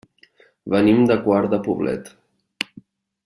Venim de Quart de Poblet.